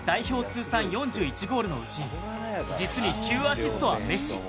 通算４１ゴールのうち実に９アシストはメッシ。